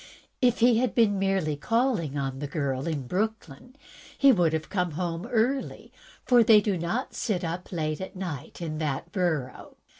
If he had been merely calling on the girl in Brooklyn, he would have been home early, for they do not sit up late in that borough.